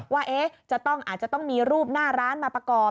ว่าอาจจะต้องมีรูปหน้าร้านมาประกอบ